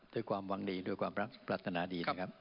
ด้วยความวังดีด้วยความประสงค์พลัฒนาดีนะครับ